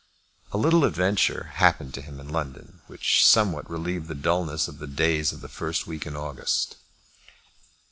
A little adventure happened to him in London which somewhat relieved the dulness of the days of the first week in August.